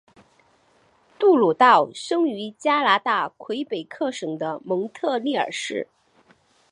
杜鲁道生于加拿大魁北克省的蒙特利尔市。